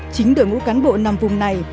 chính đội ngũ cán bộ nằm vùng này